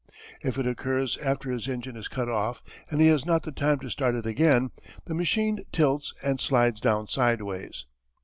If it occurs after his engine is cut off and he has not the time to start it again, the machine tilts and slides down sideways.